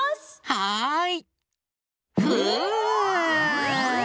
はい！